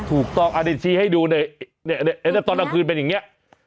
ถูกต้องเอาเดี๋ยวชี้ให้ดูตอนนังคืนเป็นอย่างนี้